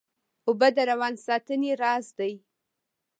اوبه د روان ساتنې راز دي